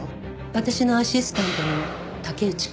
私のアシスタントの竹内くん。